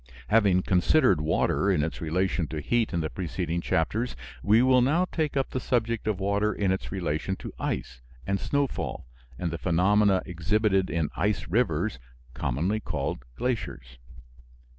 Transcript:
Having considered water in its relation to heat in the preceding chapters, we will now take up the subject of water in its relation to ice and snowfall and the phenomena exhibited in ice rivers, commonly called glaciers.